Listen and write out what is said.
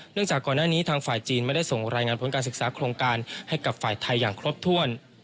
จากก่อนหน้านี้ทางฝ่ายจีนไม่ได้ส่งรายงานผลการศึกษาโครงการให้กับฝ่ายไทยอย่างครบถ้วน